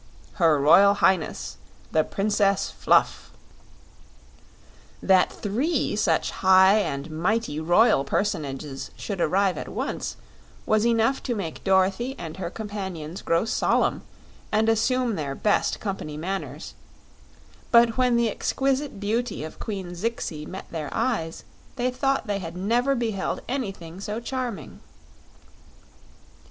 Her Royal Highness, the Princess Fluff." That three such high and mighty royal personages should arrive at once was enough to make Dorothy and her companions grow solemn and assume their best company manners; but when the exquisite beauty of Queen Zixi met their eyes they thought they had never beheld anything so charming.